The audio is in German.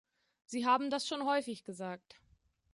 Sie haben das schon häufig gesagt.